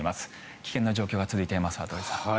危険な状況が続いています羽鳥さん。